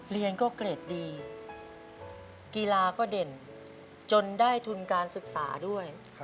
เรียนก็เกรดดีกีฬาก็เด่นจนได้ทุนการศึกษาด้วย